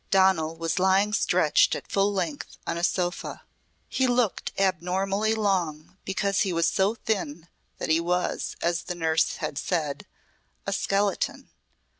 Donal was lying stretched at full length on a sofa. He looked abnormally long, because he was so thin that he was, as the nurse had said, a skeleton.